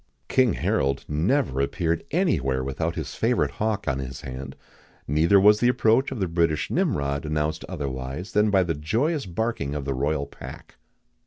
[XIX 43] King Harold never appeared anywhere without his favourite hawk on his hand; neither was the approach of the British Nimrod announced otherwise than by the joyous barking of the royal pack.